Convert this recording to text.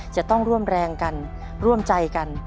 จะต้องร่วมแรงกันร่วมใจกัน